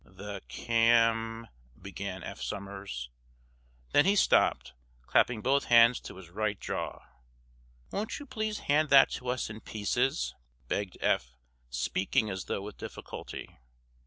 "The cam—" began Eph Somers. Then he stopped, clapping both hands to his right jaw. "Won't you please hand that to us in pieces?" begged Eph, speaking as though with difficulty.